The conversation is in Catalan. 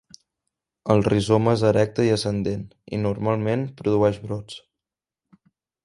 El rizoma és erecte i ascendent i normalment produeix brots.